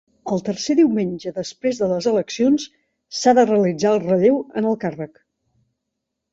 El tercer diumenge després de les eleccions s'ha de realitzar el relleu en el càrrec.